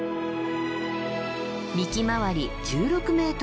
幹回り１６ｍ以上。